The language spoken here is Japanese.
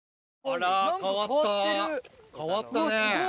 あら変わった変わったね。